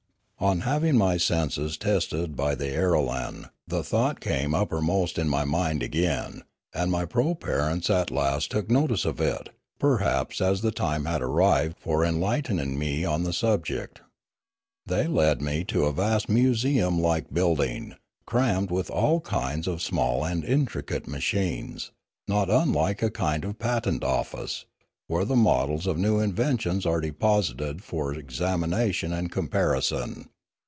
On having my senses tested by the airolan, the thought came uppermost in my mind again; and my proparents at last took notice of it, perhaps as the time had arrived for enlightening me on the subject. They led me to a vast museum like building, crammed with all kinds of small and intricate machines, not unlike a kind of patent office, where the models of new inven tions are deposited for examination and comparison.